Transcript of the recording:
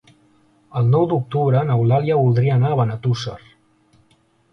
El nou d'octubre n'Eulàlia voldria anar a Benetússer.